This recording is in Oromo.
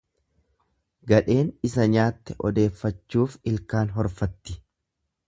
Gadheen isa nyaatte odeeffachuuf ilkaan horfatti.